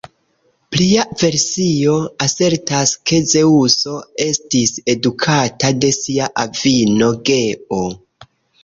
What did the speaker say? Plia versio asertas, ke Zeŭso estis edukata de sia avino Geo.